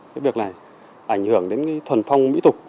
cái việc này ảnh hưởng đến thuần phong mỹ tục